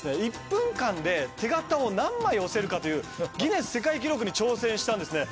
１分間で手形を何枚押せるかというギネス世界記録に挑戦したんですね。